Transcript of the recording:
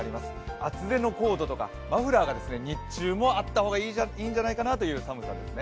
厚手のコートとかマフラーが日中もあった方がいいかなという寒さですね。